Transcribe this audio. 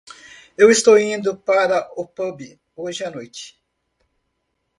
Eu estou indo para o pub hoje à noite.